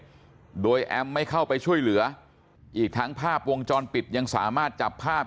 ด้วยโดยแอมไม่เข้าไปช่วยเหลืออีกทั้งภาพวงจรปิดยังสามารถจับภาพ